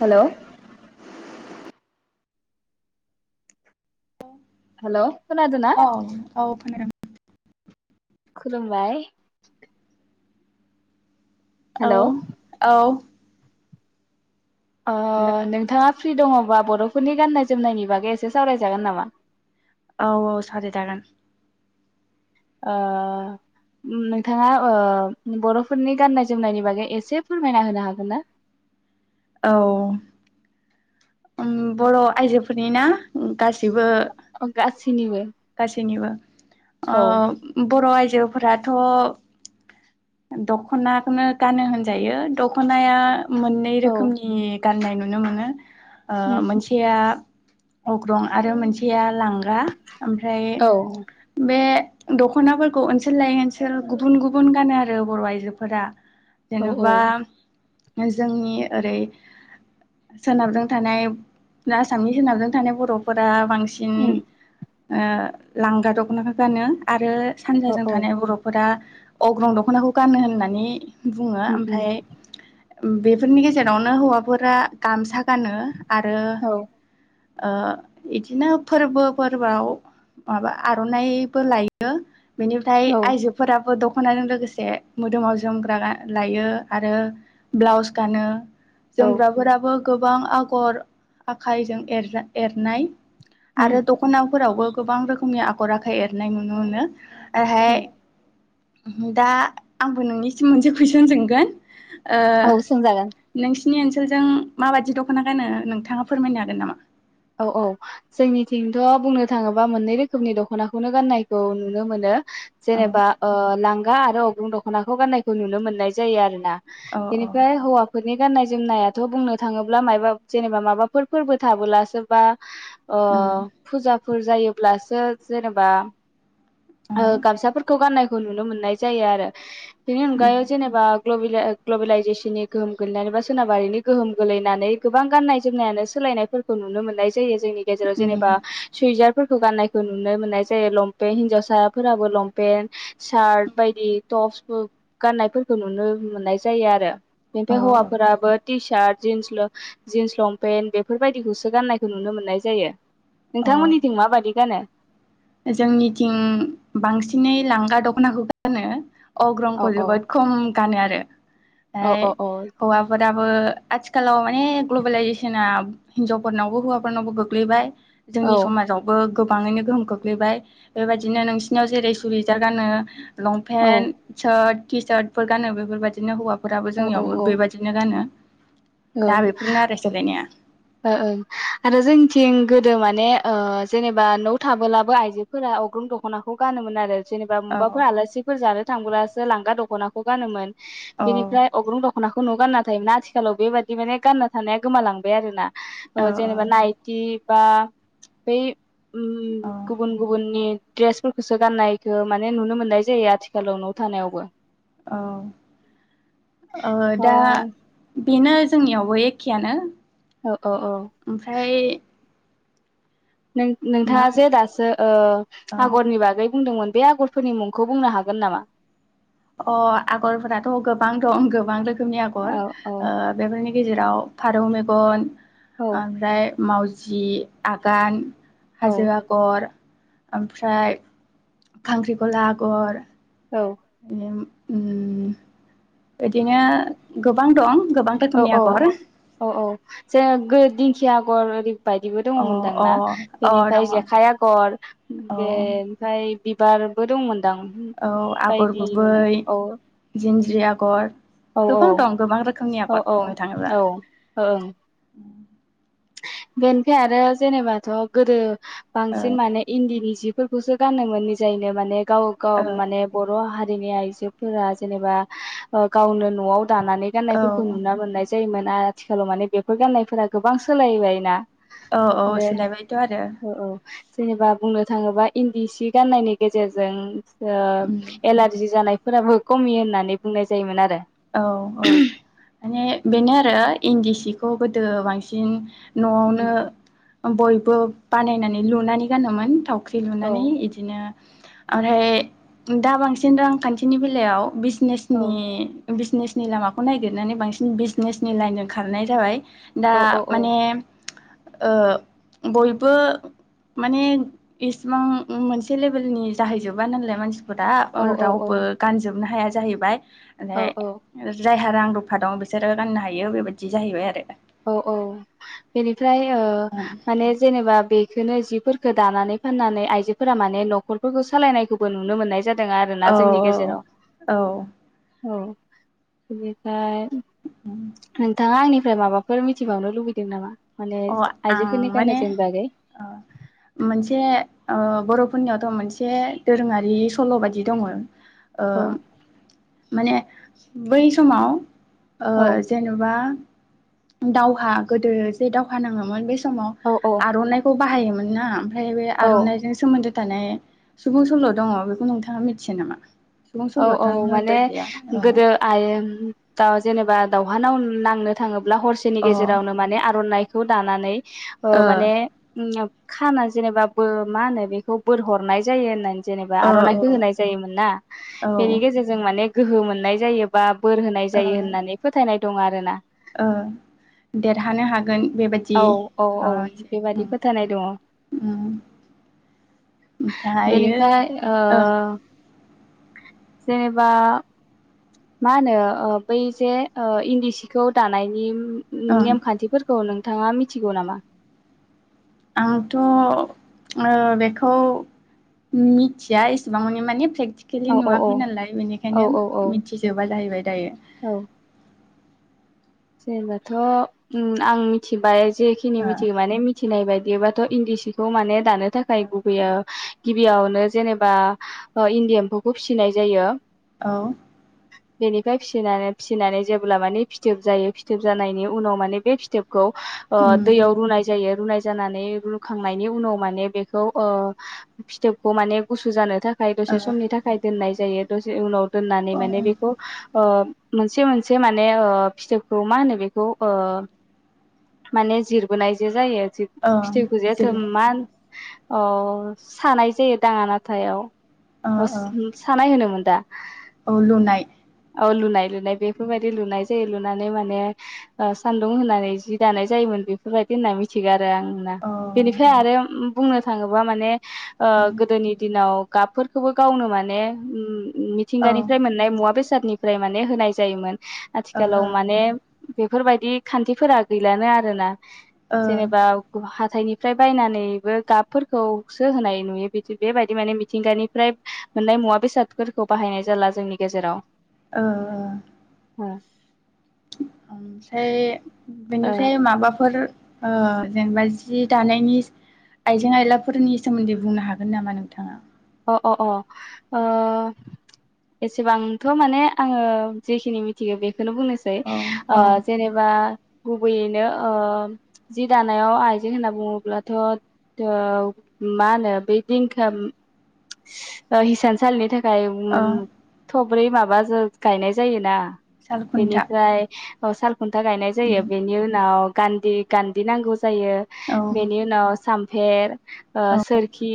Hello औ hello खोनादोंना औ खोनादों खुलुमबाय औ हेलौ औ ओ नोंथाङा फ्रि दङबा बर'फोरनि गाननाय जोमनायनि बागै एसे सावरायजागोन नामा? औ औ साजवराय जागोन। ओ नोंथाङा ओ बर'फोरनि गाननाय जोमनायनि बागै एसे फोरमायना होनो हागोन ना? औ उम बर' आइजोफोरनि ना गासिबो अ गासिनिबो। गासिनिबो। आ बर' आइजोफोराथ' दख'नाखौनो गानो होनजायो दख'नाया मोननै औ रोखोमनि गाननाय नुनो मोनो। ओ उम मोनसेया अग्रं आरो मोनसेया लांगा । ओमफ्राय औ बे दख'नाफोरखौ ओनसोल लायै ओनसोल गुबुन गुबुन गानो आरो बर' आइजोफोरा। औ औ जेनेबा। जोंनि ओरै सोनाबजों थानाय आसामनि सोनाबजों थानाय बर'फोरा बां सिन। उम ओ लांगा दख'नाखौ गानो। आरो औ सानजाजों औ थानाय बर'फोरा अग्रं दख'नाखौ गानोनो होननानै बुङो उम उम ओमफ्राय बेफोरनि गेजेरावनो हौवा गामसा। गानो आरो औ ओ इदिनो फोरबो फोरबोआव माबा आर'नाइबो लायो। बेनिफ्राय औ आइजोफोराबो दख' नाजों लोगोसे मोदोमाव जोमग्रा लायो आरो ब्लाउस गानो। औ जोमग्राफोराबो गोबां आगर आखाइजों एर एरनाय। उम आरो दख'ना फोरावबो गोबां रोखोमनि आखर आखाइ एरनाय नुनो मोनो। आरोहाय औ दा आंबो नोंनिसिम मोनसे कुइसन सोंगोन। ओ औ सोंजागोन नोंसि नि ओनसोलजों माबायदि दख'ना गानो नोंथाङा फोरमायनो हागोन नामा? औ औ जोंनिथिंथ' बुंनो थाङोबा मोननै रोखोमनि दख'नाखौनो गाननायखौ नुनो मोनो। औ जेनेबा ओ लां गा आरो अग्रुं दख'नाखौ गान्नायखौ नुनो मोननाय जायो आरो ना। औ औ बेनिफ्राय हौवाफोरनि गाननाय जोमनायाथ बुंनो थाङोब्ला मायबा जेनेबा माबाफोर फोरबो थाबोलासो बा उम ओ फुजा फोर जायोब्लासो जेनेबा औ ओ गामसाफोरखौ गाननाय खौ नुनो मोननाय जायो आरो। बिनि उम अनगायै जेनेबा ग्लबेला ओ इग्लबेलाइजेसननि गोहोम गोलैनानै बा सोनाबारिनि गोहोम गोलैनानै गोबां गाननाय जोमनायानो सोलायनायफोरखौ नुनो मोन नाय जायो। जोंनि गेजेराव जेनेबा उम सुयजार फोरखौ गाननायखौ नुनो मोननाय जायो लंपे हिन्जावसाफोराबो लंपेन्ट सार्ट बायदि टप्स गान्नायफोरखौ नुनो मोननाय जायो आरो। औ बेनिफाय हौवाफोराबो टिसार्ट जिन्स ल जिन्स लंपेन्ट बेफोरबायदिखौसो गाननाय खौ नुनो मोननाय जायो। औ नोंथांमोननिथिं माबायदि गानो। जोंनिथिं बांसिनै लांगा दख'नाखौ गानो। औ अग्रंखौ औ जोबोद खम गानो आरो। औ फाय औ औ हौवाफोर आबो आथिखालाव माने ग्लबेेलइजेसना हिनजावफोरनावबो हौवाफोरनावबो गोग्लैबाय। औ जोंनि समाजावबो गो बाङैनो गोहोम खो ग्लैबाय बेबायदिनो नोंसिनियाव जेरै सुयजार गानो। औ लंफेन्ट सार्ट टिसार्टफोर गानो बेफोरबायदिनो हौवा फोराबो औ जोंनियावबो औ बेबायदिनो गानो। औ दा बेफोरनो आरो सोलायनाया। ओ ओं आरो जोंथिं गोदो माने ओ जेनेबा न' थाबोलाबो आइजोफोरा अग्रं दख'नाखौ गानोमोन आरो। जेनेबा औ मुबाफोर आलासिफोर जानो थांब्लासो लांगा दख'नाखौ गानोमोन औ बेनिफ्राय अग्रं द खनाखौ न'आव गानना थायोमोना आथिखालाव बेबादि माने गानना थानाया गोमालांबाय आरो ना। औ ओ जेनेबा नाइटि बा बै उम औ गुबुन गुबुननि ड्रेसफोरखोसो गाननायखो माने नुनो मोननाय जायो आथिखालाव नव थानायावबो। औ ओ अ दा बिनो जोंनियावबो एखेआनो ओ ओ ओ मा नों-नोंथाङा जे दासो ओ ओ आगरनि बागै बुंदोंमोन बे आगरफोरनि मुंखौ बुंनो हागोन नामा? अ आगरफोराथ गोबां दं गोबां रो खोमनि औ आगर औ ओ बेफोरनि गेजेराव फारौ मेगन औ ओमफ्राय मावजि आगान औ हाजो आगर ओमफ्राय खांख्रिखला आगर औ [unintelligible] उम बिदिनो गोबां दं गोबां अ रोखोमनि अ आगर औ औ [unintelligible] दिं खि आगर ओरि बायदिबो अ अ दङमोनदांना अ बेनिफाय दङ जेखाइ आगर औ बेनिफाय बिबारबो दंमोन औ आगर गुबै औ जिं जि आगर औ औ गोबां दं गोबां रोखोमनि ओ आगर ओ बुंनो थाङोब्ला औ ओं बेनिफाय आरो जेनेबाथ गोदो ओ बांसिन माने इन्दिनि जि फोरखौसो गाननो मोनि जायनो माने गाव गाव ओ माने बर हा आइजोफोरा जेनेबा ओ गावनो नआव दानानै गाननायफोरखौ औ नुना मोननाय जैमोना आथिखालाव माने बेफोर गाननायफोरा गोबांखा सोलायबायना। औ औ सोलायबायथ' आरो। औ जेनेबा बुंनो थाङोबा इन्दि सिक गाननायनि गेजेरजों ओ उम एलारजि जानाय फोराबो खमि होननानै बुंनाय जायोमोन आरो औ औ माने बेनो आरो इन्दि सिख खौ गोदो बांसिन न'आवनो बयबो बानायनानै लुनानै गानोमोन थाव ख्रि औ लुनानै इदिनो आरहाय दा बांसिन रांखान्थिनि बेलायाव बिस औ नेसनि बिसनेसनि लामाखौ नायगिरनानै बांसिन बिसनेसनि लाइनजों खारनाय जाबाय दा औ औ औ माने ओ बयबो माने इसिबां मोनसे लेभेलनि जाहैजोबा नालाय मानसिफ बोदा औ रावबो गानजोबनो हाया ज जाहैबाय औ औ ओमफ्राय जायहा रां रुफा दं बिसोरो गाननो हायो बेबायदि जाहैबाय आरो औ औ बेनिफ फ्राय ओ माने जेनेबा बेख खोनो जिफोरखो दानानै फाननानै आइजोफोरा माने न'खरफोरखो सालायनायखौबो नुनो मोन्नाय जाद औ औ औ औ बिनिफाय नोंथां आ आंनिब फ्राय माबा फोर मिथिबावनो लुगैदों नामा? माने अ आं आइजोफोरनि गाननाय माने जोमनाय बागै ओ मोनसे ओ बर'फ फोननियावथ मोनसे दोरोङारि सल' बायदि दङो। ओ औ माने बै समाव ओ औ जेनेबा दावहा गोदो जे दावहा नाङोमोन बेस समाव औ औ आर'न नायखौ बाहायोमोन ना फ्राय बे औ आर'नायजों सोमोन्दो थानाय सुबुं सल' दङ बेखौ नोंथाङा मिथियो नामा? सुबुं औ औ सल'थ' नों माने होनद्रायजाया अ गोदो आयेम दा जेनेबा दावहा नाउ नांनो थाङो ब्ला हरसेनि अ गेजेरावनो माने आर'नाय खौ दानानै ओ माने उम खाना जेनेबा बो मा होनो बेखौ बोर हरनाय जायो होननानै जेनेबा ओ आर'नायखो होनाय जायोमोन ना। ओ औ बेनि गेजेरजों माने ने गोहो मोननाय जायोबा बोर होनाय ओ जायो होननानै फोथायनाय दं आरोना। ओ देरहानो हागोन बेबायदि औ औ औ माबा मोनसे बेबायदि उम फोथायानाय दङ। उम ओमफ्रायो बेनिफ्राय ओ ओं जेनेबा मा होनो ओ बै जे ओ इन्दि सिखौ दानायनि ओं नेमखान्थिफोरखौ नों थाङा मिथिगौ नामा? आंथ' ओ बेखौ मिथिया एसेबां माने मानेे फेक औ थिकेलि औ औ नुवाखै नालाय औ बेनिखायनो औ औ मिथिजोबा जाहैबाय। दायो औ जेनेबाथ' उम आं मिथिबाय जेखिनि ओ मिथियो माने मिथिनाय बाय बेबाथ' इन्दि सिखौ माने दानो थाखाय गुबैयाव गिबियावनो जेनेबा ओ इन्दि एम्फौखौ फिसिनाय जायो। औ बेनिफ्राय फिसिनानै फिसिनानै जेब्ला माने फिथोब जायो फिथोब जानायनि उनाव माने बे फिथोब खौ ओ उम दैयाव रुनाय जायो रुनाय जानानै रुखांनायनि उनाव माने बेखौ ओ फिथोबखौ माने गुसु जानो थाख खाय दसे समनि ओ थाखाय दोननाय जायो दसे उनाव दोननानैे माने अ बेखौ ओ मोनसे मोनसे माने ओ फिथोबखौ मा होनो बेखौ ओ माने जिरबोनायजे जायो अ फिथोखौजे अ जेरै सानाय जायो दाङा नाथायाव अ अस अ ओम सानाय होनोमोन दा औ लुनाय औ लुनाय लुनाय बेफोरबायदि लुनाय जायो लुनानै माने ओ सान्दुं होननानै जि दानाय जायोमोन बेफोरबायदि होनना मिथिगो आरो आं ना औ बेनिफ्राय औ आरो बुंनो थाङोबा माने ओ ओं गोदोनि दिनाव गाबफोरखौबो गावनो माने उम औ ओ मिथिंगानिफ्राय मोननाय मुवा बे सादनिफ्राय माने होनाय जायोमोन आथिखालाव माने बेफोरबायदि खान्थिफोरा गैलानो आरोना ओ जेनेबा [unintelligible] हाथायनिफ्राय बायनानैबो गाबफोरखौसो होनाय नुयो बिदि बेबायदि माने मिथिंगानिफ्राय मोननाय मुवा बेसादफोरखौ बाहायनाय जाला जोंनि गेजेराव ओ ओ ओ ओमफ्राय ओ बेनिफ्राय माबाफोर ओ जेनेबा जि दानायनि आइजें आयलाफोरनि सोमोन्दै बुंनो हागोन नामा नोंथाङा अ अ अ ओ एसेबांथ माने आङो जेखिनि मिथिगो बेख बेखौनो बुंनोसै औ ओ औ जेनेबा गुबैयैनो ओ जि दानायाव आइजें होनना बुङोब्लाथ मा होनो बे दिंखोम ओ हिसान सालिनि था खाय ओ मोन थ ब्रै माबा जो गायनाय गायनाय जायोना साल खुन्था बेनिफ्राय अ साल खुन्था गायनाय जायो उम बेनि उनाव गान्दि गान्दि नांगौ जायो औ बेनि उनाव सा थेर। ओ औ सोरखि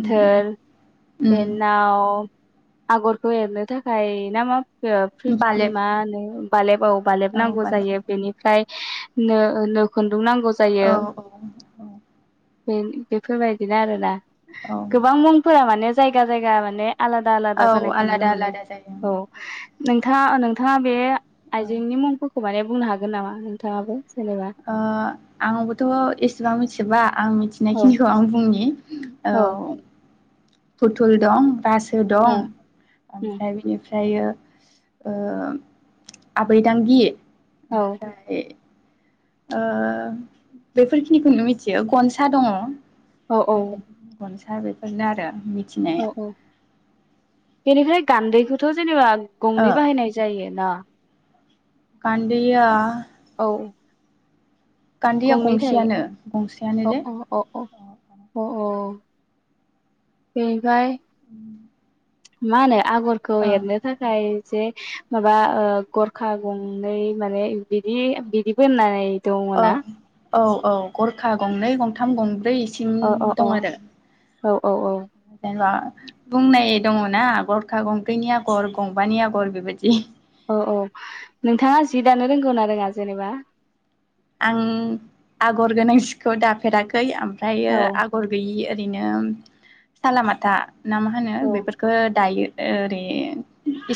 उम उम उम बेनाव आगरखौ एरनो थाखाय ना मा ओ फ्रिज बालेब मा होनो बालेबाव बालेब औ नांगौ बालेब जायो बेनिफ्राय नो नोखु औ औ औ। बेफोरबायदिनो आरोना। औ गोबां मुं। माने जायगा जायगा माने आलादा आलादा औ जानायखौ नुनो आलादा मोनो आलादा जायो औ उम नोंथाङा नोंथ थाङा बे औ आइजेंनि मुं फो खमाने बुंनो हागोन नामा नोंथाङाबो? जेनेबा ओ आंबोथ' एसेबां मिथिजोबा। आं औ मिथिनायखिनिखौ आं बुंनि। औ। फुथुल दं गास ओ दं उम ओमफ्राय बिनिफ्रा ओमफ्रायो ओ आबैदांगि औ ओमफ्राय ओ बेफोरखिनिखौनो मिथियो गनसा दङ'। औ औ। दा बेफोरनो आरो औ मिथिनाया औ। बेनिफ्राय गान्दैखौथ' जेनेबा ओ गंनै बाहायनाय जायो ना। गान्दैया। औ। गान्दैया गंनै थायो गंसेयानो गंसेयानो अ जे अ अ अ अ अ। बेनिफाय। मानो। आगरखौ ओ एरनो थाखाय। जे माबा ओ गरखा गंनै माने बिदि बिदिबो होननाय दङना औ-औ गरखा गंनै गंथाम गंब्रैसिम अ अ औ दं आरो औ औ जेनेबा बुंनाय दङना गरखा गंबैनि आगर गंबानि आगर बेबायदि औ-औ नोंथाङा जि दानो रोंगौ ना रोङा जेनेबा आं आगर गोनां जिखौ दाफेराखै आम फ्रायो औ आगर गैयि ओरैनो सालामाथा ना मा होनो औ बेफोरफोरखो दायो ओरै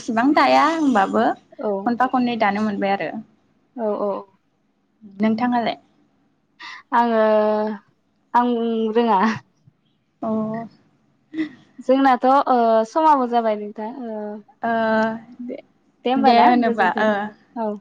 इसेबां दाया होनबा बो औ खनफा खन्नै दानो मोनबाय आरो औ औ नोंथाङालाय आङो आं रोङा अ जोंनाथ' ओ समाबो जाबाय नोंथां ओ ओ दे होमबा दे ना होनोबा गोजोन्थों ओ औ